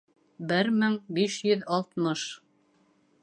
Бер мең биш йөҙ алтмыш